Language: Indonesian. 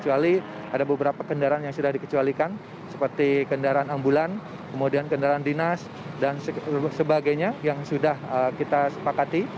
kecuali ada beberapa kendaraan yang sudah dikecualikan seperti kendaraan ambulan kemudian kendaraan dinas dan sebagainya yang sudah kita sepakati